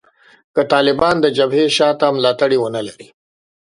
که طالبان د جبهې شا ته ملاتړي ونه لري